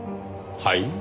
はい？